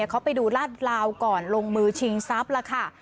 เขาไปดูลาดราวก่อนลงมือชิงทรัพย์แล้วค่ะ